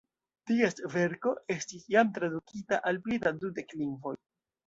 Ties verko estis jam tradukita al pli da dudek lingvoj.